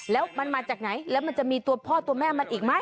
แล้วมันมาจากไหนแล้วมันจะมีตัวพ่อตัวแม่มันอีกไหม